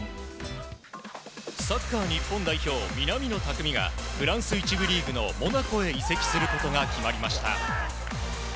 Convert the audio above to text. サッカー日本代表、南野拓実がフランス１部リーグのモナコへ移籍することが決まりました。